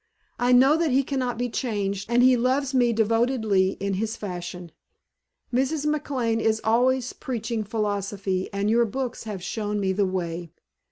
I know that he cannot be changed and he loves me devotedly in his fashion. Mrs. McLane is always preaching philosophy and your books have shown me the way."